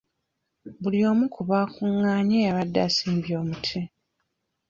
Buli omu ku baakunganye yabadde asimbye omuti.